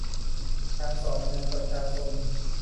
การสอดแนมประชาชน